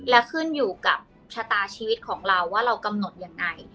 และขึ้นอยู่กับชะตาชีวิตของเราว่าเรากำหนดยังไง